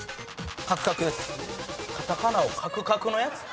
カタカナをカクカクのやつ⁉